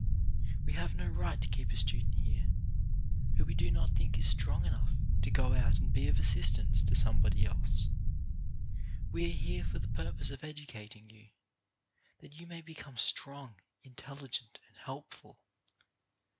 We have no right to keep a student here who we do ii i2 CHARACTER BUILDING 1 not think is strong enough to go out and be of assistance to somebody else. We are here for the purpose of educating you, that you may be come strong, intelligent and helpful.